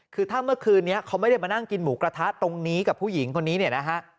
คือถ้าเมื่อคืนนี้เขาไม่ได้มานั่งกินหมูกระทะตรงนี้กับผู้หญิงคนนี้เนี่ยนะฮะ